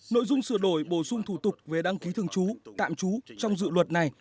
nội dung sửa đổi bổ sung thủ tục về đăng ký thường trú tạm trú trong dự luật này